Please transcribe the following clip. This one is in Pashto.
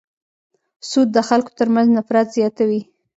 سود د خلکو تر منځ نفرت زیاتوي.